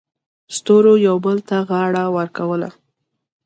ستورو یو بل ته غاړه ورکوله.